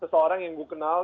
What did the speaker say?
seseorang yang gue kenal